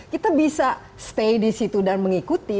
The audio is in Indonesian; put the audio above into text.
kita bisa stay di situ dan mengikuti